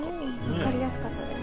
分かりやすかったです。